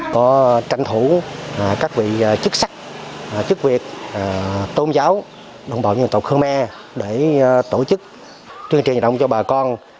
có tranh thủ các vị chức sắc chức việt tôn giáo đồng bào nhân tộc khơ me để tổ chức chương trình đồng cho bà con